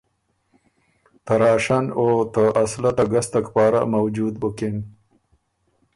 ته راشن او ته اسلحه ته ګستک پاره موجود بُکِن۔